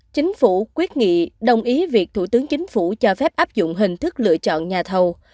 chính phủ quyết nghị đồng ý việc thủ tướng chính phủ cho phép áp dụng hình thức lựa chọn nhà thầu